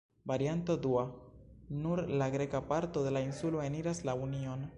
Varianto dua: nur la greka parto de la insulo eniras la Union.